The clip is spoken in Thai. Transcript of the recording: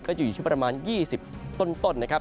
จะอยู่ที่ประมาณ๒๐ต้นนะครับ